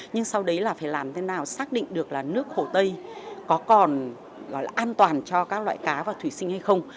nhưng sau đấy là phải làm thế nào xác định được là nước hồ tây có còn gọi là an toàn cho các loại cá và thủy sinh hay không